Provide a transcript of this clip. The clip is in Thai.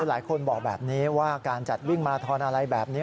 หลายคนบอกแบบนี้ว่าการจัดวิ่งมาราทอนอะไรแบบนี้